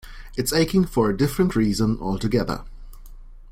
It's aching for a different reason altogether.